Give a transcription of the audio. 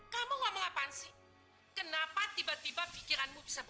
sampai jumpa di video selanjutnya